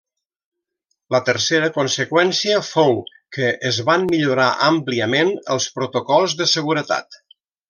La tercera conseqüència fou que es van millorar àmpliament els protocols de seguretat.